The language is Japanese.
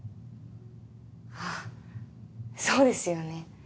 あぁそうですよね。